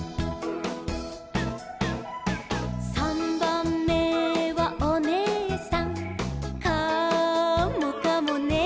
「さんばんめはおねえさん」「カモかもね」